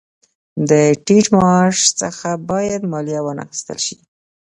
د ټیټ معاش څخه باید مالیه وانخیستل شي